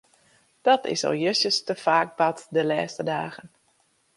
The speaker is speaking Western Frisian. Dat is al justjes te faak bard de lêste dagen.